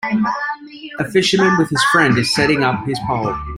A fisherman with his friend is setting up his pole.